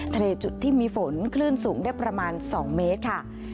ทะเลจุดที่มีฝนคลื่นสูงได้ประมาณ๒เมตรค่ะ